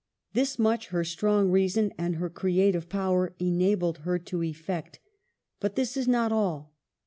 This much her strong reason and her creative power enabled her to effect. But this is not all.